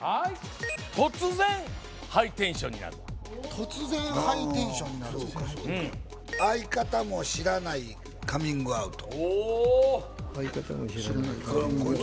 「突然ハイテンションになる」「突然ハイテンションになる」「相方も知らないカミングアウト」おお「相方も知らないカミングアウト」